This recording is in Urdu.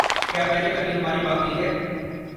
کیا پہلے کبھی ہماری بات ہوئی ہے